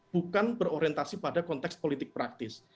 bukan berorientasi pada konteks politik praktis